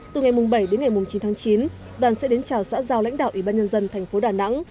từ ngày bảy đến ngày chín tháng chín đoàn sẽ đến chào xã giao lãnh đạo ủy ban nhân dân thành phố đà nẵng